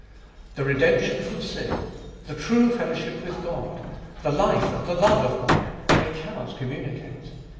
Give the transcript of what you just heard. The redemption from sin, the true fellowship with God, the life and Ibolfest of 2111 65 the love of God they cannot communicate.